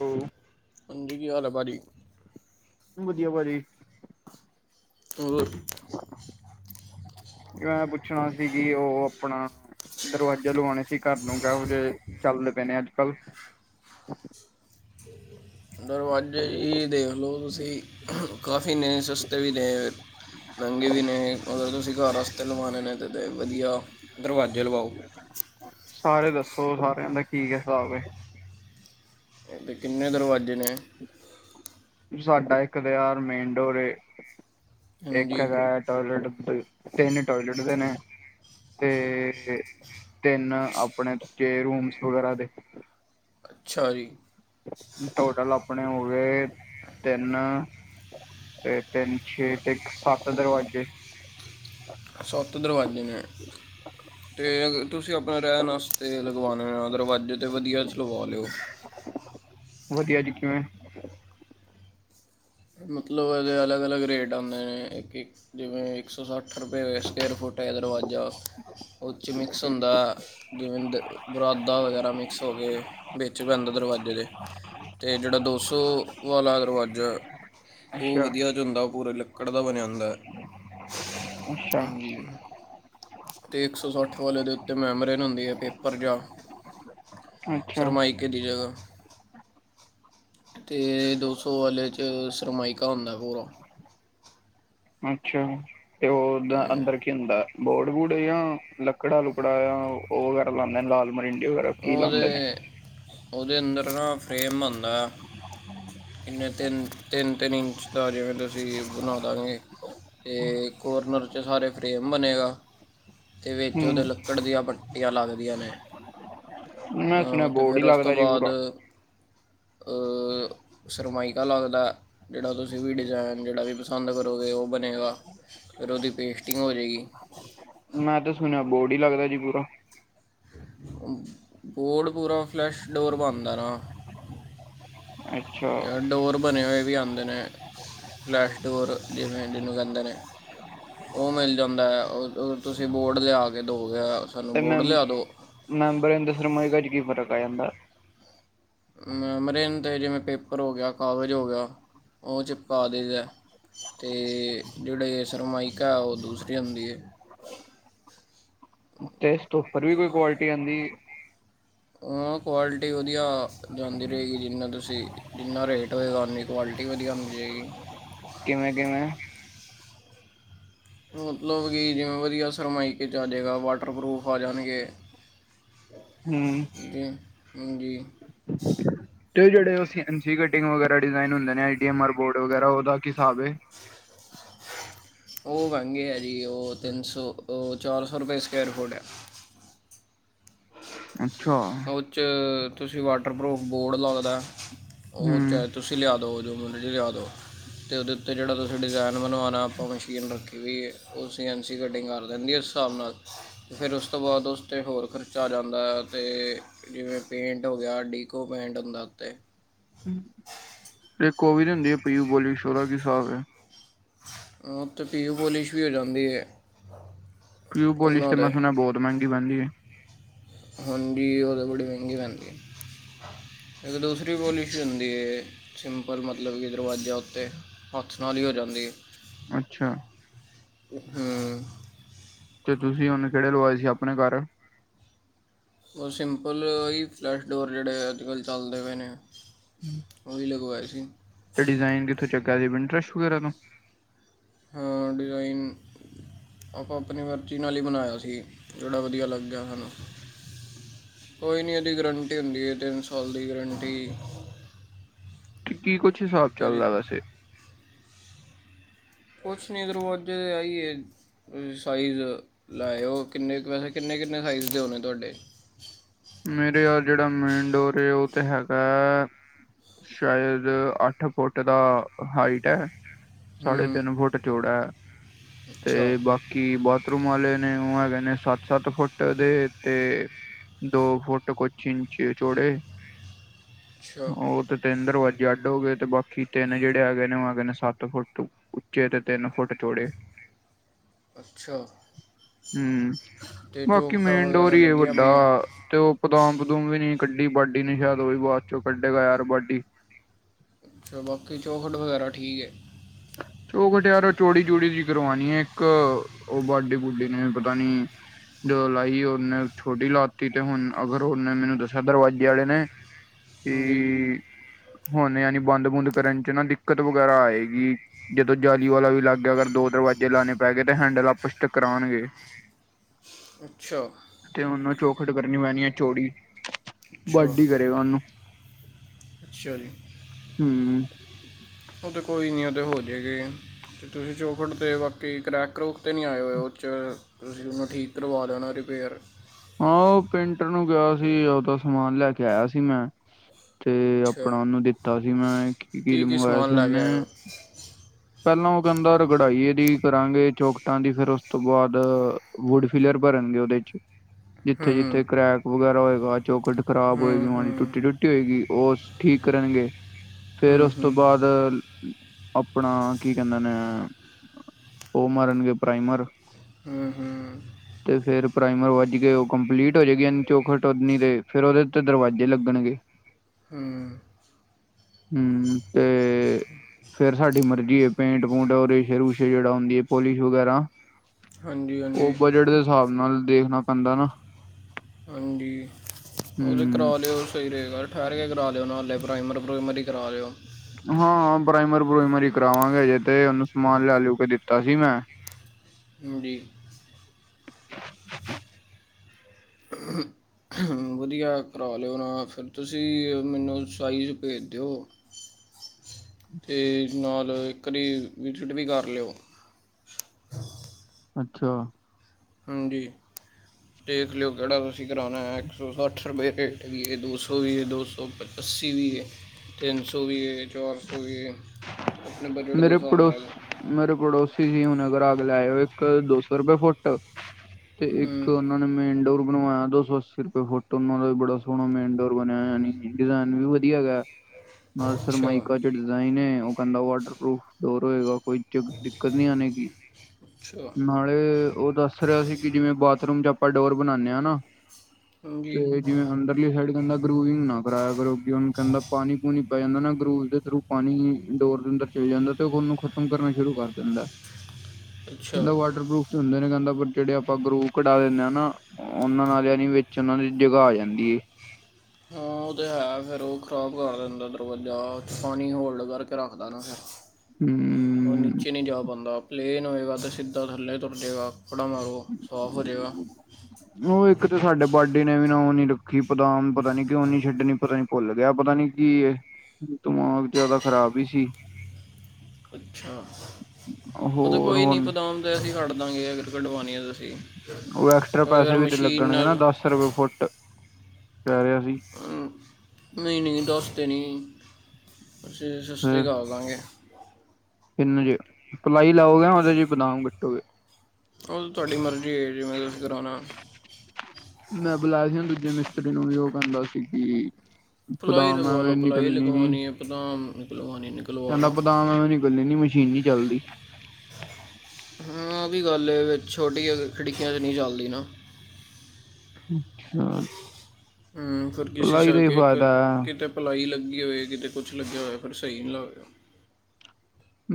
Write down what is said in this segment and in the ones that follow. ਹੂੰ। ਮੰਗੀ ਕੀ ਹਾਲ ਆ ਪਾਜੀ? ਵਧੀਆ ਪਾਜੀ। ਹੋਰ- ਮੈਂ ਪੁੱਛਣਾ ਸੀ ਕਿ ਉਹ ਆਪਣਾ ਦਰਵਾਜ਼ਾ ਲਵਾਣੇ- ਤੁਸੀ ਘਰ ਨੂੰ ਕਿਹੋ ਜਿਹੇ ਚੱਲਦੇ ਪਏ ਨੇ ਅੱਜ-ਕੱਲ? ਦਰਵਾਜ਼ੇ ਇਹ ਦੇਖ ਲਓ ਤੁਸੀਂ ਕਾਫੀ ਨੇ ਸਸਤੇ ਵੀ ਨੇ ਮਹਿੰਗੇ ਵੀ ਨੇ ਅਗਰ ਤੁਸੀਂ ਘਰ ਵਾਸਤੇ ਲਵਾਣੇ ਨੇ ਤਾਂ ਵਧੀਆ ਦਰਵਾਜ਼ੇ ਲਵਾਓ। ਸਾਰੇ ਦੱਸੋ ਸਾਰਿਆਂ ਦਾ ਕੀ ਹਿਸਾਬ ਏ। ਤੇ ਕਿੰਨੇ ਦਰਵਾਜ਼ੇ ਨੇ? ਸਾਡਾ ਇੱਕ ਤਾਂ ਆਰ ਮੇਨ ਡੋਰ ਏ ਇੱਕ ਹਾਂਜੀ ਹੈਗਾ ਹੈ ਟੋਇਲੇਟ- ਤਿੰਨ ਟੋਇਲੇਟ ਦੇ ਨੇ ਤੇ ਤਿੰਨ ਅਪਣੇ- ਤੇ ਰੂਮਸ ਵਗੈਰਾ ਦੇ ਅੱਛਾ ਜੀ। ਟੋਟਲ ਆਪਣੇ ਹੋ ਗਏ ਤਿੰਨ- ਤੇ ਤਿੰਨ ਛੇ ਤੇ ਸੱਤ ਦਰਵਾਜੇ- ਸਤ ਦਰਵਾਜ਼ੇ ਨੇ- ਤੇ ਅਗਰ ਤੁਸੀਂ ਆਪਣੇ ਰਹਿਣ ਆਸਤੇ ਲਗਵਾਣੇ ਆ ਦਰਵਾਜ਼ੇ ਤਾਂ ਵਧੀਆ ਚ ਲਵਾ ਲਿਓ। ਵਧੀਆ ਜੀ ਕਿਵੇਂ? ਮਤਲਬ ਇਹਦੇ ਅਲੱਗ-ਅਲੱਗ ਰੇਟ ਆਉਂਦੇ ਨੇ ਜਿਵੇਂ ਇੱਕ ਸੌ ਸੱਠ ਰੁਪਏ ਸਕੇਅਰ ਫੁੱਟ ਮੇਨ ਦਰਵਾਜ਼ਾ ਉਹ ਚ ਮਿਕਸ ਹੁੰਦਾ ਜਿਵੇਂ ਬੁਰਾਦਾ ਵਗੈਰਾ ਮਿਕਸ ਹੋ ਗਿਆ। ਤੇ ਵਿਚ ਪੈਂਦਾ ਦਰਵਾਜ਼ੇ ਦੇ ਤੇ ਜਿਹੜਾ ਦੋ ਸੌ ਵਾਲਾ ਦਰਵਾਜ਼ਾ ਉਹ ਅੱਛਾ ਵਧੀਆ ਚੋ ਹੁੰਦਾ ਪੂਰੇ ਲੱਕੜ ਦਾ ਬਣਿਆ ਹੁੰਦਾ। ਅੱਛਾ ਹਾਂਜੀ। ਤੇ ਇੱਕ ਸੌ ਸੱਠ ਵਾਲੇ ਦੇ ਉੱਤੇ ਮੈਮਰੇਨ ਹੁੰਦੀ ਹੈ ਪੇਪਰ ਜਿਹਾ ਅੱਛਾ ਸ਼ਰਨਮਾਈਕੇ ਦੀ ਜਗ੍ਹਾ ਤੇ ਦੋ ਸੌ ਵਾਲੇ ਚ ਸਰਮਾਇਕਾ ਹੁੰਦਾ ਪੂਰਾ ਜਿਹੜਾ ਅੰਦਰ ਖਿਨਦੇ ਬੋਡ ਬੂਡ ਜਾਂ ਲੱਕੜਾ ਲੁੱਕੜਾ ਜਾਂ ਉਹ ਵਗੈਰਾ ਲਾਉਦੇ ਲਾਲ ਮਰੀਨ ਕੀ ਲਾਉਂਦੇ ਨੇ ਉਹਦੇ ਉਹਦੇ ਅੰਦਰ ਨਾ ਫਰੇਮ ਹੁੰਦਾ ਬਨਣਾ ਇੰਨੇ ਤਿੰਨ ਤਿੰਨ ਇੰਚ ਦਾ ਜਿਵੇਂ ਤੁਸੀਂ ਬਣਾ ਦਵਾਂਗੇ ਤੇ ਕੋਰਨਰ 'ਚ ਸਾਰੇ ਫਰੇਮ ਬਣੇਗਾ ਤੇ ਵਿਚ ਹਮ ਉਹਦੇ ਲੱਕੜ ਦੀਆਂ ਵੱਟੀਆਂ ਲੱਗਦੀਆਂ ਨੇ ਮੈਂ ਆ ਸੁਣਿਆ ਬੋਰਡ ਹੀ ਫਿਰ ਉਸ ਤੋਂ ਲੱਗਦਾ ਜੀ ਬਾਅਦ ਪੂਰਾ ਆ ਸਰਮਾਇਕਾ ਲੱਗਦਾ ਜਿਹੜਾ ਤੁਸੀਂ ਵੀ ਡਿਜ਼ਾਇਨ ਜਿਹੜਾ ਵੀ ਪਸੰਦ ਕਰੋਗੇ ਉਹ ਬਣੇਗਾ ਫਿਰ ਉਸ ਦੀ ਪੇਸਟਿੰਗ ਹੋ ਜੇ ਗੀ ਮੈਂ ਤੇ ਸੁਣਿਆ ਬੋਡ ਹੀ ਲੱਗਦਾ ਜੀ ਪੂਰਾ ਬੋਡ ਪੂਰਾ ਫਲੈਸ਼ ਡੋਰ ਬਣਦਾ ਨਾ ਅੱਛਾ ਜਾ ਡੋਰ ਬਣੇ ਹੋਏ ਵੀ ਆਦੇ ਦੇ ਨੇ ਫਲੈਸ਼ ਡੋਰ ਜਿਵੇਂ ਜਿਹਨੂੰ ਕਹਿਦੇ ਨੇ ਉਹ ਮਿਲ ਜਾਂਦਾ ਹੈ ਤੁਸੀਂ ਬੋਰਡ ਲਿਆ ਕੇ ਦੋਗੇ ਸਾਨੂੰ ਤੇ ਬੋਰਡ ਲਿਆ ਦਿਓ ਮੈਂਬਰ ਚ ਕੀ ਫਰਕ ਆ ਜਾਂਦਾ ਮੈਮਰੇਨ 'ਤੇ ਜਿਵੇਂ ਪੇਪਰ ਹੋ ਗਿਆ ਕਾਗਜ਼ ਹੋ ਗਿਆ ਉਹ ਚਿਪਕਾ ਦੇਜ ਹੈ ਅਤੇ ਜਿਹੜੇ ਸਰਮਾਇਕਾ ਉਹ ਦੂਸਰੀ ਹੁੰਦੀ ਹੈ ਤੇ ਤੋਂ ਉੱਪਰ ਵੀ ਕੋਈ ਕੁਆਲਿਟੀ ਆਉਂਦੀ ਕੁਆਲਿਟੀ ਵਧੀਆ ਜਾਂਦੀ ਰਹੇਗੀ ਜਿੰਨਾ ਤੁਸੀਂ ਜਿੰਨਾ ਰੇਟ ਹੋਏਗਾ ਉਨੀ ਕੁਆਲਿਟੀ ਵਧੀਆ ਮਿਲ ਜਾਏਗੀ ਕਿਵੇਂ-ਕਿਵੇਂ ਮਤਲਬ ਕਿ ਜਿਵੇਂ ਵਧੀਆ ਸਰਮਾਈਕੇ ਜਾ ਜਾਵੇਗਾ ਵਾਟਰਪੂਫ ਆ ਜਾਣਗੇ [inaudible] ਹਮ [inaudible] ਜਿਹੜਾ ਕਟਿੰਗ ਵਗੈਰਾ ਡਿਜ਼ਾਇਨ ਹੁੰਦੇ ਨੇ ਆਈ ਡਮ ਆਰ ਬੋਰਡ ਵਗੈਰਾ ਉਹਦਾ ਹਿਸਾਬ ਹੈ ਉਹ ਵਹਿੰਗੇ ਹੈ ਜੀ ਉਹ ਤਿੰਨ ਸੌ ਉਹ ਚਾਰ ਸੌ ਰੁਪਏ ਸਕੁਇਅਰ ਫੁੱਟ ਹੈ ਅੱਛਾ ਉਹ 'ਚ ਤੁਸੀਂ ਵਾਟਰਪੂਫ ਬੋਰਡ ਲੱਗਦਾ ਉਹ ਹਮ ਚਾਹੇ ਤੁਸੀਂ ਲਿਆ ਦੋ ਜੋ ਮਰਜੀ ਲਾਇਆ ਦੋ ਅਤੇ ਉਹਦੇ ਉੱਤੇ ਜਿਹੜਾ ਤੁਸੀਂ ਡਿਜ਼ਾਇਨ ਬਣਵਾਉਣਾ ਆਪਾਂ ਮਸ਼ੀਨ ਰੱਖੀ ਵੀਈਏ ਉਹ ਅਸੀਂ ਐਂਸੀ ਕਟਿੰਗ ਕਰ ਲੈਣਗੇ ਹਿਸਾਬ ਨਾਲ ਫਿਰ ਉਸ ਤੋਂ ਬਾਅਦ ਉਸ ਤੇ ਹੋਰ ਖਰਚ ਚ ਆ ਜਾਂਦਾ ਅਤੇ ਜਿਵੇਂ ਪੇਂਟ ਹੋ ਗਿਆ ਡੀਕੋ ਪੇਂਟ ਹੁੰਦਾ ਉਤੇ [inaudible] ਕੋਵਿ ਦੀ ਹੁੰਦੀ ਹੈ ਪੀਊ ਬੋਲੀ ਸ਼ੋਰਾ ਕੀ ਹਫ਼ ਹੈ ਉ ਅਤੇ ਪੀਓ ਪੋਲਿਸ਼ ਵੀ ਹੋ ਜਾਂਦੀ ਹੈ ਫਿਊ ਬੋਲਿਸ ਤੇ ਮੈਂ ਸੁਣ ਬਹੁਤ ਮਹਿੰਗੀ ਬਣਦੀ ਹੈ ਹੁਣਜੀ ਉਹ ਤਾਂ ਬੜੀ ਮਹਿੰਗੀ ਪੈਂਦੀ ਹੈ ਇੱਕ ਦੂਸਰੀ ਪੋਲਿਸੀ ਹੁੰਦੀ ਹੈ ਸਿੰਪਲ ਮਤਲਬ ਕਿ ਦਰਵਾਜ਼ੇ ਉੱਤੇ ਹੱਥ ਨਾਲ ਹੀ ਹੋ ਜਾਂਦੀ ਹੈ ਅੱਛਾ ਹਮ ਤੇ ਤੁਸੀਂ ਉਹਨੂੰ ਕਿਹੜੇ ਲਵਾਏ ਸੀ ਆਪਣੇ ਘਰ ਉਹ ਸਿੰਪਲ ਹੀ ਫਲੈਸ਼ ਡੋਰ ਜਿਹੜੇ ਅੱਜ ਕੱਲ੍ਹ ਚੱਲਦੇ ਪਏ ਨੇ ਉਹ ਵੀ ਲਗਵਾਆ ਸੀ ਤੇ ਡਿਜ਼ਾਇਨ ਕਿੱਥੋਂ ਚਗਾ ਸੀ ਪਿੰਟਰੇਸ ਵਗੈਰਾ ਤੋਂ ਹ ਡਿਜ਼ਾਈਨ ਆਪਾਂ ਆਪਣੀ ਮਰਜ਼ੀ ਨਾਲ ਹੀ ਬਣਾਇਆ ਸੀ ਜਿਹੜਾ ਵਧੀਆ ਲੱਗ ਗਿਆ ਸਾਨੂੰ ਕੋਈ ਨਹੀਂ ਉਹਦੀ ਗਰੰਟੀ ਹੁੰਦੀ ਹੈ ਤਿੰਨ ਸਾਲ ਦੀ ਗਾਰੰਟੀ ਤੇ ਕੀ ਕੁਛ ਹਿਸਾਬ ਕੁਝ ਚੱਲਦਾ ਵੈਸੇ ਕੁਛ ਨੀ ਦਰਵਾਜ਼ੇ ਦੇ ਆਈਏ ਸਾਈਜ਼ ਲੈਓ ਕਿਨੇ ਕੁ ਪੈੇ ਕਿੰਨੇ ਸਾਈਜ਼ ਦੇ ਹੋਣੇ ਤੁਹਾਡੇ ਮੇਰੇ ਆ ਜਿਹੜਾ ਮੇਨ ਡੋਰ ਉਹ ਤੇ ਹੈਗਾ। ਸ਼ਾਇਦ ਅੱਠ ਫੁੱਟ ਦਾ ਹਾਈਟ ਹੈ ਐ। ਸਾਢੇ ਹੂੰ ਤਿੰਨ ਫੁਟ ਜੋੋੜਾ ਅੱਛਾ ਤੇ ਬਾਕੀ ਬਹੁਤ ਵਾਲੇ ਨੇ ਉਹ ਹੈਗੇ, ਨੇ ਸੱਤ-ਸੱਤ ਫੁੱਟ ਦੇ ਤੇ ਦੋ ਫੁੱਟ ਕੁਛ ਇੰਚੀ ਚੋੜੇ ਅੱਛਾ ਉਹ ਤਿੰਨ ਦਰਵਾਜੇ ਜੱਡ ਹੋ ਗਏ ਤੇ ਬਾਕੀ ਤਿੰਨ ਜਿਹੜੇ ਹੈਗੇ ਨੇ ਉਹ ਹੈਗੇ, ਨੇ ਸੱਤ ਫੁੱਟ ਉੱਚੇ ਤੇ ਤਿੰਨ ਫੁੱਟ ਚੋੜੇ ਅੱਛਾ, ਹੂੰ ਤੇ ਬਾਕੀ ਚੌਕਟਾਂ ਮੇਨਡੋਰ ਵਗੈਰਾ ਹੀ ਹੈ ਲੱਗੀਆਂ ਵੱਡਾ ਪਈਆਂ ਤੇ ਉਹ ਪਦਾਮ ਪਦੂਮ ਵੀ ਨੀ ਕੱਢੀ ਬਾਢੀ ਨਿਸ਼ਾ ਤੋਂ ਉਹ ਵੀ ਬਾਅਦ ਚੋਂ ਕੱਢੇਗਾ ਯਾਰ ਬਾਢੀ ਅੱਛਾ ਬਾਕੀ ਚੌਖਲਟ ਵਗੈਰਾ ਠੀਕ ਹੈ। ਉਹ ਚੋ ਖਟਿਆਰ ਚੌੜੀ ਚੂੜੀ ਜਿ ਕਰਵਾਨੀ ਐ ਇੱਕ ਉਹ ਬਾਡੀ ਬੂਡੀ ਨੂੰ ਪਤਾ ਨੀ ਜਦੋਂ ਲਾਈ ਉਹਨੇ ਛੋਟੀ ਲਾਤੀ ਤੇ ਹੁਣ ਅਗਰ ਉਹਨੇ ਮੈਨੂੰ ਦੱਸਿਆ ਦਰਵਾਜ਼ੇ ਆਲੇ ਨੇ [inaudible] ਹੈ ਜੀ ਕੀ ਹੁਣ ਯਾਨੀ ਬੰਦ ਬੂੰਦ ਕਰਨ ਚ ਨਾ ਦਿੱਕਤ ਵਗੈਰਾ ਆਏਗੀ, ਜਦੋਂ ਜਾਲੀ ਵਾਲਾ ਵੀ ਲੱਗਿਆ ਅਗਰ। ਦੋ ਦਰਵਾਜ਼ੇ ਲਾਣੇ ਪੈ ਗਏ, ਤੇ ਹੈਂਡਲ ਆਪਸ ਚ ਟਕਰਾਣਗੇ। ਅੱਛਾ। ਚੋਖਟ ਕਰਨੀ ਪੈਣੀ ਹੈ ਚੋੜੀ ਅੱਛਾ ਵੱਡ ਹੀ ਕਰੇਗਾ ਉਹਨੂੰ। ਅੱਛਾ ਜੀ ਹੂੰ। ਉਹ ਤੇ ਕੋਈ ਨੀ ਉਹਦੇ ਹੋ ਜਾਗੇ। ਅਤੇ ਤੁਸੀਂ ਚੌਖੜ 'ਤੇ ਬਾਕੀ ਕਰੈਕ ਕਰੂਕ 'ਤੇ ਨਹੀਂ ਆਏ ਹੋਏ, ਉਹ 'ਚ ਤੁਸੀਂ ਤੁਹਨੂੰ ਠੀਕ ਕਰਵਾ ਲੈਣਾ ਫੇਰ। ਹਾਂ ਉਹ ਪੇਂਟਰ ਨੂੰ ਕਿਹਾ ਸੀ, ਉਹਦਾ ਸਮਾਨ ਲੈ ਕੇ ਆਇਆ ਸੀ ਮੈਂ। ਤੇ ਅੱਛਾ ਆਪਣਾ ਉਹਨੂੰ ਦਿੱਤਾ ਸੀ ਮੈਂ ਕੀ ਕੀਲ ਮੰਗਇਆ ਸੀ, ਸਮਾਨ ਲੈ ਕੇ ਆਏ ਉਹਨੇ। ਹੋ ਪਹਿਲਾਂ ਉਹ ਕਹਿੰਦਾ ਰਗੜਾਈਏ ਦੀ ਕਰਾਂਗੇ, ਚੌਕਟਾਂ ਦੀ ਫੇਰ ਉਸ ਤੋਂ ਬਾਅਦ ਵੁੱਡ ਫੀਲੀਅਰ ਕਰਨਗੇ, ਉਹਦੇ ਚ ਹੂੰ ਜਿੱਥੇ-ਜਿੱਥੇ ਕਰੈਕ ਵਗੈਰਾ ਹੋਏ। ਚੌਕਟ ਖਰਾਬ ਹੂੰ ਹੋਏਗੀ, ਹੂੰ ਹੂੰ ਮਾੜੀ ਟੁੱਟੀ-ਟੁੱਟੀ ਹੋਏਗੀ ਉਹ ਠੀਕ ਕਰਨਗੇ। ਫੇਰ ਹੂੰ ਉਸ ਤੋਂ ਹੂੰ ਬਾਅਦ ਆਪਣਾ ਕੀ ਕਹਿੰਦੇ ਨੇ, ਉਹ ਮਰਨਗੇ ਪ੍ਰਾਈਮਰ ਹੂੰ-ਹੂੰ। ਤੇ ਫੇਰ ਪ੍ਰਾਈਮਰ ਵੱਜ ਗਏ, ਉਹ ਕੰਪਲੀਟ ਹੋ ਜਾਏਗੀ ਚੋਖਟ ਇਹਨੀ ਫਿਰ ਉਹਦੇ ਤੇ ਦਰਵਾਜ਼ੇ ਲੱਗਣਗੇ। ਹੂੰ। ਹੂੰ ਤੇ ਫੇਰ ਸਾਡੀ ਮਰਜ਼ੀ ਹੈ, ਪੈਂਂਟ ਪੂਂਟ ਰੇਸ਼ੇ ਰੂਸ਼ੇ ਜਿਹੜਾ ਹੁੰਦੀ ਹੈ ਪੋਲਿਸ਼ ਵਗੈਰਾ ਹਾਂਜੀ ਉਹ ਹਾਂਜੀ ਬਜਟ ਦੇ ਹਿਸਾਬ ਨਾਲ ਦੇਖਣਾ ਪੈਂਦਾ ਨਾ ਹਾਂਜੀ, ਉਹ ਤੇ ਹੂੰ ਕਰਾ ਲਿਓ ਸਹੀ ਰਹੇਗਾ, ਠਹਿਰ ਕੇ ਕਰਾ ਲਿਓ ਨਾਲੇ ਪ੍ਰਾਈਮਰ-ਪ੍ਰੂਾਈਮਰ ਹੀ ਕਰਾ ਦਿਹੇ ਹੋ। ਹਾਂ ਬਰਾਈਮਰ ਬਰੁਇਮਰ ਹੀ ਕਰਾਵਾਂਗੇ, ਅਜੇ ਤੇ ਉਹਨੂੰ ਸਮਾਨ ਲੈ ਲਿਓ ਕੇ ਦਿੱਤਾ ਸੀ ਮੈਂ ਹਾਂਜੀ। [unintelligible] [unintelligible] ਵਧੀਆ ਕਰਾ ਲਿਓ, ਨਾ ਫਿਰ ਤੁਸੀਂ ਮੈਨੂੰ ਸਾਈਜ਼ ਭੇਜ ਦਿਓ [unintelligible] ਅਤੇ ਨਾਲ ਇੱਕਰੀ ਵਿਜ਼ਿਟ ਵੀ ਕਰ ਲਿਓ। ਅੱਛਾ, ਹਾਂਜੀ। ਦੇਖ ਲਿਓ ਕਿਹੜਾ ਤੁਸੀਂ ਕਰਾਉਣਾ ਹੈ, ਇੱਕ ਸੌ ਸੱਠ ਰੁਪਏ ਰੇਟ ਵੀ ਇਹ ਦੋ ਸੌ ਵੀ ਦੋ ਸੌ [inaudible] ਅੱਸੀ ਵੀ ਐ, ਤਿੰਨ ਸੌ ਵੀ ਹੈ ਚਾਰ ਸੌ ਵੀ ਆਪਣੇ ਬਜਟ ਦੇ ਮੇਰੇ ਹਿਸਾਬ ਪੜੋ ਨਾਲ ਮੇਰੇ ਪੜੋਸੀ ਸੀ ਹੁਨਗਰਾ ਕੇ ਲੈਏ ਹੋ ਇੱਕ ਦੋ ਸੌ ਰੁਪਏ ਫੁੱਟ ਤੇ ਇੱਕ ਹੂੰ ਉਹਨਾਂ ਨੇ ਮੇ ਇਨਡੋਰ। ਬਣਵਾਇਆ ਦੋ ਸੌ ਅੱਸੀ ਰੁਪਏ ਫੁੱਟ ਉਹ ਦਾ ਵੀ ਬੜਾ ਸੋਹਣਾ ਮੇਨ ਡੋਰ ਬਣਿਆ ਯੀ ਡਿਜ਼ਾਇਨ ਵੀ ਵਧੀਆ ਹੈਗਾ। ਸਰ ਅੱਛਾ ਮਾਈਕ ਜੋ ਡਿਜ਼ਾਇਨ ਹੈ ਉਹ ਕਹਿੰਦਾ ਵਾਟਰਪੂਫ ਡੋਰ ਹੋਏਗਾ ਕੋਈ ਦਿੱਕਤ ਨਹੀਂ ਆਣੇਗੀ ਅੱਛਾ ਨਾਲੇ ਉਹ ਦੱਸ ਰਿਹਾ ਸੀ ਕਿ ਜਿਵੇਂ ਬਾਥਰੂਮ ਚ ਆਪਾਂ ਡੋਰ ਬਣਾਉਦੇ ਹਾਂ ਨਾ ਹਮ। ਤੇ ਜਿਵੇਂ ਅੰਦਰਲੀ ਸਾਈਡ ਕਹਿੰਦਾ ਗਰੂਵਿੰਗ ਨਾ ਕਰਾਇਆ ਕਰੋ ਉਹਨੂੰ ਕਹਿੰਦਾ ਪਾਣੀ ਪੂਣੀ ਪੈ ਜਾਂਦਾ ਨਾ। ਦੇ ਥਰੂ ਪਾਣੀ ਡੋਰ ਦੇ ਅੰਦਰ ਚਲੇ ਜਾਂਦਾ। ਤੇ ਉਹ ਉਹਨੂੰ ਖ਼ਤਮ ਕਰਨਾ ਸ਼ੁਰੂ ਕਰ ਦਿੰਦਾ। ਅੱਛਾ ਕਹਿੰਦਾ ਵਾਟਰਪੂਫ ਤੇ ਹੁੰਦੇ ਨੇ ਕਹਿੰਦਾ ਜਿਹੜੇ ਆਪਾਂ ਗਰੂ ਕਢਾ ਦਿੰਦੇ ਹਾਂ ਨਾ ਉਹਨਾਂ ਨਾਲਿਆਂ ਨ ਵਿੱਚ ਉਹਨਾਂ ਦੀ ਜ੍ਹਾ ਆ ਜਾਂਦੀ ਹੈ। ਹਾਂ ਉਹ ਤਾਂ ਹੈ ਫਿਰ ਉਹ ਖ਼ਰਾਬ ਕਰ ਦਿੰਦਾ ਦਰਵਾਜ਼ਾ ਪਾਣੀ ਹੋਲਡ ਕਰਕੇ ਰੱਖਦਾ ਨਾ ਫਿਰ ਉਹ ਨੀਚੇ ਨਹੀਂ ਜਾ ਪਾਉਦਾ ਪਲੇਨ ਹੋਵੇਗਾ ਤੇ ਸਿੱਧਾ ਥੱਲੇ ਤੁਰ ਜਾਵੇਗਾ। ਉਹ ਇੱਕ ਤਾਂ ਸਾਡੇ ਬਾਡੀ ਨੇ ਵੀ ਨੀ ਪੱਖੀ ਬਦਾਮ ਪਤਾ ਨੀ ਕਿਉ ਨਹੀਂ ਛੱਡਣੀ ਪਤਾ ਨੀ ਭੁੱਲ ਗਿਆ ਪਤਾ ਨੀ ਕੀ ਇਹ ਦਿਮਾਗ ਜਿਆਦਾ ਖ਼ਰਾਬ ਹੀ ਸੀ। ਅੱਛਾ ਓਹ ਤਾਂ ਹੋਰ ਕੋਈ ਨੀ ਹੁਣ ਬਦਾਮ ਤੇ ਅਸੀ ਕਢ ਦਾਂਗੇ ਅਗਰ ਕਢਵਾਣੀਆਂ ਅਸੀ ਉਹ ਐਕਸਟਰਾ ਅਗਰ ਪੈਸੇ ਵੀ ਤੇ ਮਸ਼ੀਨ ਲੱਗਣਗੇ ਨਾ ਨਾਲ। ਦਸ ਰੁਪਏ ਫੁੱਟ ਕਹਿ ਰਿਹਾ ਸੀ ਨਈ ਨਈ ਜੀ ਦੱਸ ਤੇ ਨੀ। ਅਸੀ ਸਸਤੀ ਕਾਲ ਦਾਂਗੇ। ਕਿੰਨ ਜੇ ਪਲਾਈ ਲਾਓਗੇ ਯਾਂ ਓਹਦੇ ਚ ਬਦਾਮ ਕੱਟੋਗੇ। ਓ ਤੇ ਤੁਹਾਡੀ ਮਰਜ਼ੀ ਏ ਜਿਵੇਂ ਤੁਸੀਂ ਕਰਾਉਣਾ। ਮੈਂ ਬੁਲਾਇਆ ਸੀ ਹੁਣ ਦੂਜੇ ਮਿਸਤਰੀ ਨੂੰ ਵੀ ਓਹ ਕਹਿੰਦਾ ਸੀ ਕਿ ਪਲਾਈ ਬਦਾਮ ਲਗਵਾ ਲਓ ਐਵੇਂ ਪਲਾਈ ਨਿਕਲਣੀ ਨੀ ਲਗਵਾਉਣੀ ਹੈ ਪਦਾਮ ਨਿਕਲਵਾਉਣੀ ਨਿਕਲਵਾ ਕਹਿੰਦਾ ਲਓ ਬਦਾਮ ਐਵੇਂ ਨਿਕਲਣੀ ਨੀ ਮੁਸ਼ ਸੀ਼ਨੀ ਚਲਦੀ। ਹਾਂ ਔ ਵੀ ਗੱਲ ਏ ਦੇ ਛੋਟੀ ਜ ਖਿੜਕੀਆਂ ਚ ਨਈ ਚੱਲਦੀ ਨਾ। ਹੁਂ। ਹੂੰ ਫੇਰ ਕਿਸੀ ਭਲਾਈ ਦਾ ਹੀ ਸਰਕੇਕ ਫਾਇਦਾ ਹੈ। ਕਿਤੇ ਪਲਾਈ ਲੱਗ ਲੱਗੀ ਹੋਵੇ ਕਿਤੇ ਕੁਛ ਲੱਗਿਆ ਹੋਏ ਫਿਰ ਸਹੀ ਲਾ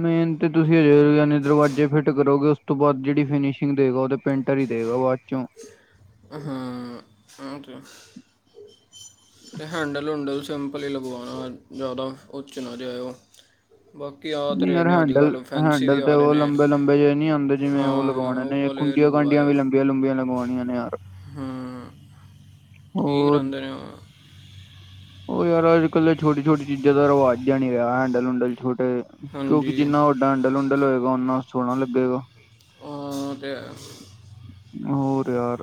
ਮੇਨ ਤੇ ਤੁਸੀ ਹਜੇ ਯਾਨੀ ਦਰਵਾਜ਼ੇ ਫਿਟ ਕਰੋਗੇ ਉਸ ਤੋਂ ਬਾਅਦ ਜਿਹੜੀ ਫਿਨਸ਼ਿੰਗ ਦੇਗਾ ਓ ਤੇ ਪੇਂਟਰ ਹੀ ਦੇ [inaudible] ਹੁਂ ਓਤੇ। ਤੇ ਹੈਂਡਲ ਹੂੰਂਡਲ ਸਿੰਪਲ ਹੀ ਲਗਵਾਣਾ ਜਾਦਾ ਉੱਚ ਨਾ ਜਾਏਓ। ਨੀ ਯਾਰ ਹੈਂਡਲ ਵੀ ਹੈਂਡਲ ਤੇ ਆ ਰਹੇ ਓਹ ਨੇ ਲੰਬੇ ਲੰਬੇ ਜੇ ਨੀ ਆਂਦੇ ਜਿਵੇਂ ਔ ਹਾਂ ਲਗਵਾਣੇ ਨੇ ਉਹ ਏਕ ਵਾਲੇ ਗੁੰਡੀਆਂ ਗਾਢੀਆਂ ਵੀ ਲਗਵਾਇਓ ਲੰਬੀਆਂ ਲੰਬੀਆਂ ਲਗਵਾਣੀਆਂ ਨੇ ਯਾਰ। ਹਾਂ ਠੀਕ ਰਹਿੰਦੇ ਨੇ ਓ। ਓ ਯਾਰ ਅੱਜ ਕੱਲ ਤਾਂ ਛੋਟੀ ਛੋਟੀ ਚੀਜ਼ਾਂ ਦਾ ਰਿਵਾਜ ਜੇਹਾ ਨੀ ਰਿਹਾ ਹੈਂਡਲ ਹੂਨਡਲ ਟੇ ਹਾਂਜੀ ਕਿਉਂਕਿ ਜਿੰਨਾ ਵੱਡਾ ਹੈਂਡਲ ਹੁਨਡਲ ਹੋਏਗਾ ਓਨਾ ਸੋਹਣਾ ਲੱਗੇਗਾ। ਹਾਂ ਤੇ ਹੈ। ਹੋਰ ਯਾਰ।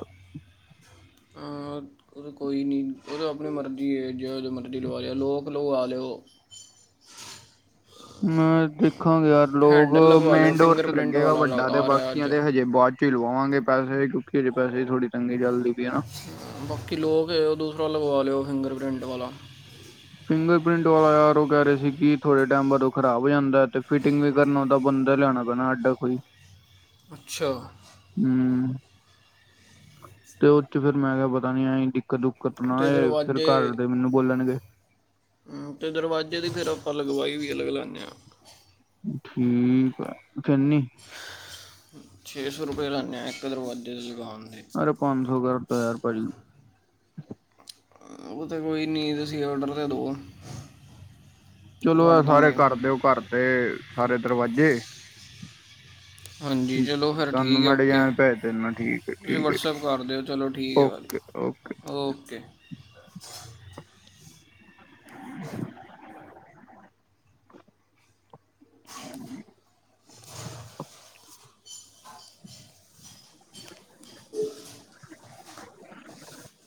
ਆਂ ਓਹ ਕੋਈ ਨੀ ਓਹ ਤਾਂ ਆਪਣੀ ਮਰਜ਼ੀ ਏ ਜੇਹੋ ਜੇ ਮਰਜ਼ੀ ਲਵਾ ਲਿਓ ਲੋਕ ਲਵਾਂ ਲੇਓ। [inaudible] ਮੈਂ ਦੇਖਾਂਗੇ ਯਾਰ ਲੋਕ ਹੈਂਡਲ ਲਗਵਾ ਲਿਓ ਮੇਨਡੋਰ ਤੇ ਫਿੰਗਰਪ੍ਰਿੰਟ ਲੱਗੇਗਾ ਵਾਲਾ ਲ- ਵੱਡਾ ਤੇ ਆ ਰਿਹਾ ਬਾਕੀਆਂ ਅੱਜ ਤੇ ਹਜੇ ਬਾ ਚ ਲਵਾਵਾਂਗੇ ਪੈਸੇ ਕਿਉਕਿ ਹਜੇ ਪੈਸੇ ਥੋੜੀ ਤੰਗੀ ਚਲ ਬਾਕੀ ਲੋਕ ਓ ਦੂਸਰਾ ਲਗਵਾ ਲੇਓ ਫਿੰਗਰ ਪ੍ਰਿੰਟ ਵਾਲਾ। ਫਿੰਗਰ ਪ੍ਰਿੰਟ ਵਾਲਾ ਯਾਰ ਓ ਕਹਿ ਰਹੇ ਸੀ ਕਿ ਥੋੜੇ ਟੈਮ ਬਾਦ ਓਹ ਖਰਾਬ ਜਾਂਦਾ ਐ ਤੇ ਫਿਟਿੰਗ ਵੀ ਕਰਨ ਔਦਾ ਬੰਦਾ ਲਿਆ ਖਣਾ ਪੈਣਾ ਅਡਾ ਕੋਈ। ਅੱਛਾ। ਹੂੰ ਤੇ ਓ ਚ ਫੇਰ ਮੈਂ ਕਿਹਾ ਪਤਾ ਨੀ ਐਂ ਕੀ ਕਤ ਦੁਕਤ ਨਾ ਤੇ ਆਏ ਫਿਰ ਘਰ ਦਰਵਾਜ਼ੇ ਦੇ ਮੈਨੂੰ ਬੋਲਣਗੇ। ਤੇ ਦਰਵਾਜ਼ੇ ਦੀ ਫਿਰ ਆਪਾਂ ਲਗਵਾਈ ਵੀ ਅਲੱਗ ਲਾਨੇ ਆਂ। ਠੀਕ ਆ ਚੰਨੀ। ਛੇ ਸੌ ਰੁਪਏ ਲਾਨੇ ਆਂ ਏਕ ਦਰਵਾਜ਼ੇ ਦੀ ਦੁਕਾਨ ਅਰੇ ਪੰਜ ਸੌ ਕਰ ਤੋ ਯਾਰ ਭਾਜੀ। ਓ ਤੇ ਕੋਈ ਨੀ ਤੁਸੀ ਆਡਰ ਤੇ ਦੌ। ਚਲੋ ਐ ਸਾਰੇ ਕਰ ਦਿਓ ਘਰ ਦੇ ਸਾਰੇ ਦਰਵਾਜੇ। ਹਾਂਜੀ ਚਲੋ ਫੇਰ ਠੀਕ ਐ ਓਕੇ ਡਿਜ਼ਾਇਨ ਭੇਜ ਦਿੰਦਾ ਠੀਕ ਹੈ ਤੁਸੀ ਠੀਕ ਵਟਸਐਪ ਕਰ ਦਿਓ ਚਲੋ ਠੀਕ ਓਕੇ ਓਕੇ ਐ। ਓਕੇ। [inaudible] [inaudible] [inaudible]